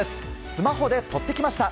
スマホで撮ってきました！